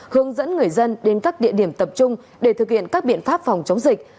hướng dẫn người dân đến các địa điểm tập trung để thực hiện các biện pháp phòng chống dịch